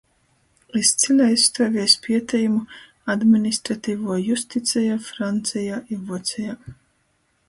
Izcyli aizstuoviejs pietejumu "Administrativuo justiceja Francejā i Vuocejā",